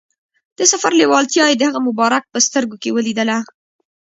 د سفر لیوالتیا یې د هغه مبارک په سترګو کې ولیدله.